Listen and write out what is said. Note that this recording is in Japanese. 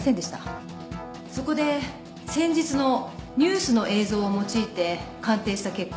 そこで先日のニュースの映像を用いて鑑定した結果。